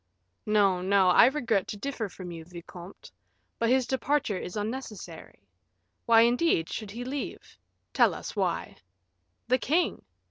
"No, no; I regret to differ from you, vicomte; but his departure is unnecessary. Why, indeed, should he leave? tell us why." "The king!"